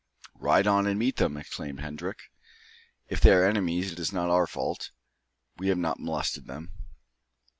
"Ride on and meet them," exclaimed Hendrik. "If they are enemies it is not our fault. We have not molested them."